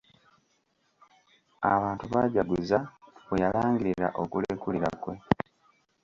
Abantu baajaguza bwe yalangirira okulekulira kwe.